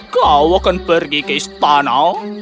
kau akan pergi ke istana